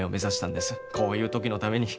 こういう時のために。